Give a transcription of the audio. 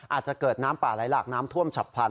อาจจะเกิดน้ำป่าไหลหลากน้ำท่วมฉับพลัน